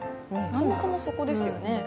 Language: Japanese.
そもそもそこですよね。